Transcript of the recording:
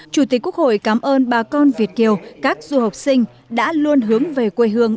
chủ tịch quốc hội cảm ơn bà con việt kiều các du học sinh đã luôn hướng về quê hương